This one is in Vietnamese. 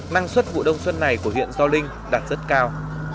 năng suất vụ đông xuân này của huyện gio linh đạt rất cao